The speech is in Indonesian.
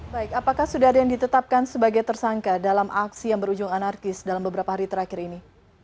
baik apakah sudah ada yang ditetapkan sebagai tersangka dalam aksi yang berujung anarkis dalam beberapa hari terakhir ini